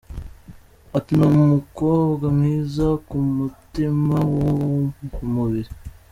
Ati “Ni umukobwa mwiza ku mutima no ku mubiri.